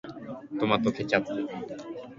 トマトケチャップ